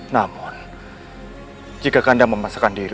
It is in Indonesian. namun jika ganda memasakkan diri